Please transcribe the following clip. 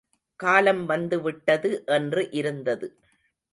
காலம் வந்து விட்டது என்று இருந்தது.